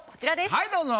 はいどうぞ。